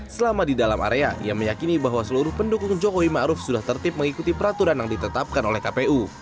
selama di dalam area ia meyakini bahwa seluruh pendukung jokowi ⁇ maruf ⁇ sudah tertip mengikuti peraturan yang ditetapkan oleh kpu